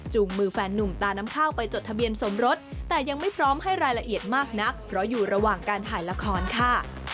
มือแฟนนุ่มตาน้ำข้าวไปจดทะเบียนสมรสแต่ยังไม่พร้อมให้รายละเอียดมากนักเพราะอยู่ระหว่างการถ่ายละครค่ะ